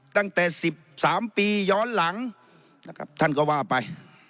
ตั้งแต่๑๓ปีย้อนหลังนะครับท่านก็ว่าไป